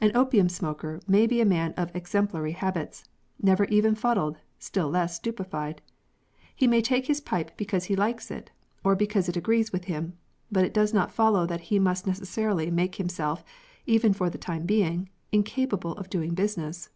An opium smoker may be a man of exemplary habits, never even fuddled, still less stupified. He may take his pipe because he likes it, or because it agrees with him ; but it does not follow that he must necessarily make him self, even for the time being, incapable of doing busi ness.